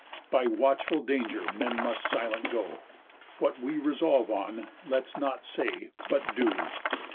By watchful danger men must silent go. What we resolve on, let's not say, but do."